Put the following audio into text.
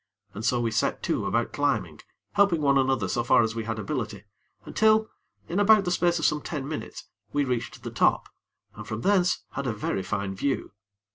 And so we set to about climbing, helping one another so far as we had ability, until, in about the space of some ten minutes, we reached the top, and from thence had a very fine view.